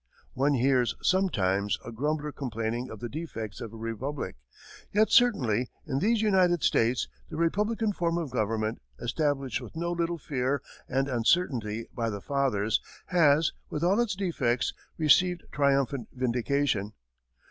One hears, sometimes, a grumbler complaining of the defects of a republic; yet, certainly, in these United States, the republican form of government, established with no little fear and uncertainty by the Fathers, has, with all its defects, received triumphant vindication.